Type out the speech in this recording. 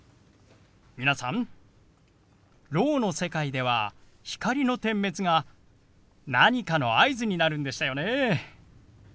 皆さんろうの世界では光の点滅が何かの合図になるんでしたよね？